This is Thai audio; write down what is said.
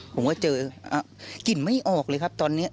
ผมก็เจอกลิ่นไม่ออกเลยครับตอนนี้